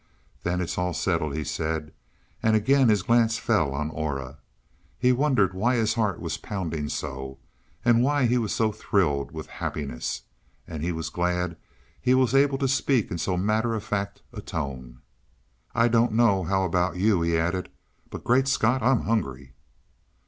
"Then it's all settled," he said, and again his glance fell on Aura. He wondered why his heart was pounding so, and why he was so thrilled with happiness; and he was glad he was able to speak in so matter of fact a tone. "I don't know how about you," he added, "but, Great Scott, I'm hungry."